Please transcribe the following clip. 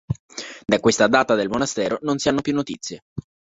Da questa data del monastero non si hanno più notizie.